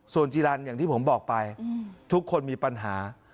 ส่วนจีรันอย่างที่ผมบอกไปทุกคนมีปัญหา